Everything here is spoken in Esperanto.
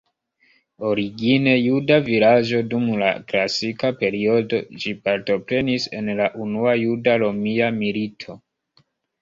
Origine juda vilaĝo dum la klasika periodo, ĝi partoprenis en la Unua Juda-Romia Milito.